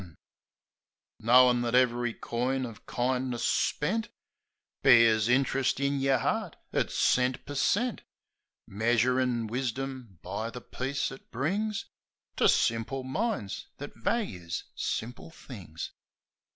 114 THE SENTIMENTAL BLOKE Knowin' that ev'ry coin o' kindness spent Bears interest in yer 'eart at cent per cent; Measurin' wisdom by the peace it brings To simple minds that values simple things.